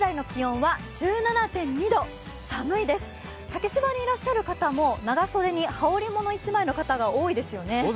竹芝にいらっしゃる方も長袖に羽織物１枚の方が多いですね。